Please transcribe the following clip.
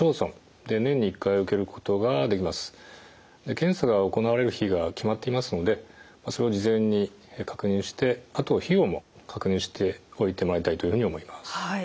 検査が行われる日が決まっていますのでそれを事前に確認してあとは費用も確認しておいてもらいたいというふうに思います。